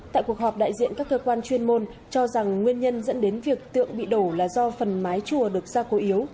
tại cuộc họp đại diện các cơ quan chuyên môn cho rằng nguyên nhân dẫn đến việc tượng bị đổ là do phần mái chùa được ra cố yếu